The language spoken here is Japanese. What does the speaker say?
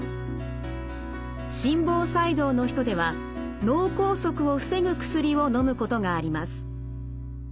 心房細動の人では脳梗塞を防ぐ薬をのむことがあります。